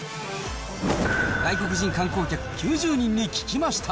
外国人観光客９０人に聞きました。